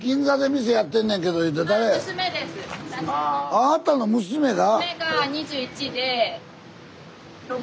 あなたの娘が？